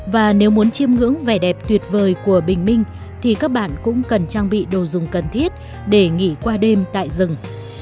và nếu muốn chiêm ngưỡng vẻ đẹp tuyệt vời của bình minh thì các bạn cũng cần trang bị đồ dùng cần thiết để nghỉ qua đêm tại rừng